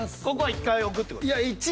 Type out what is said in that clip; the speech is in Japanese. ここは１回置くって事？